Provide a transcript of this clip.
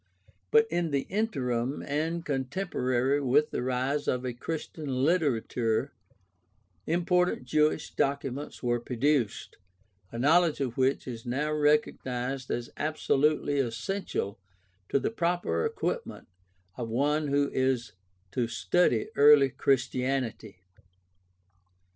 But in the intei^im, and contemporary with the rise of a Christian literature, important Jewish documents were produced, a knowledge of which is now recognized as absolutely essential to the proper equipment of one who is to study early Christianity.